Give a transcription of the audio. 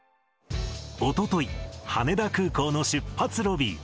おととい、羽田空港の出発ロビー。